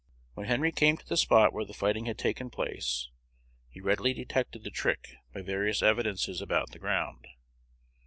When Henry came up to the spot where the fight had taken place, he readily detected the trick by various evidences about the ground.